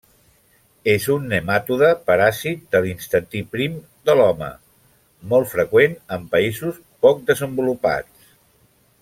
És un nematode paràsit de l'intestí prim de l'home, molt freqüent en països poc desenvolupats.